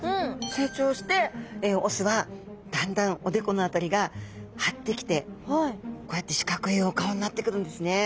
成長して雄はだんだんおでこの辺りが張ってきてこうやって四角いお顔になってくるんですね。